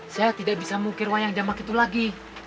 saya tidak bisa mengukir wayang jamak itu lagi